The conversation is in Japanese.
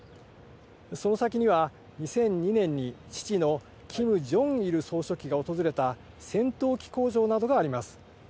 その先には、２００２年に父のキム・ジョンイル総書記が訪れた戦闘機工場などがあります。